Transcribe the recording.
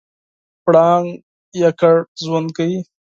پړانګ یوازې ژوند کوي.